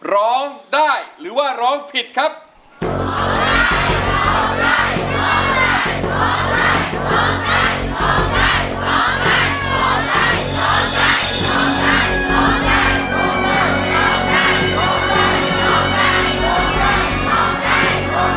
จบให้จบให้